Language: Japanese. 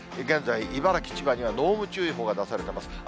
現在、茨城、千葉には濃霧注意報が出されています。